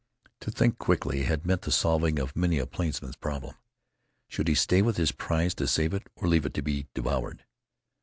To think quickly had meant the solving of many a plainsman's problem. Should he stay with his prize to save it, or leave it to be devoured?